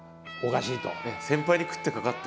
先輩に食ってかかって。